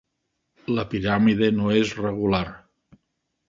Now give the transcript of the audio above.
La piràmide no és regular.